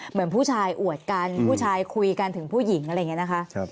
เหมือนผู้ชายอวดกันผู้ชายคุยกันถึงผู้หญิงอะไรอย่างนี้นะคะ